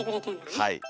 はい。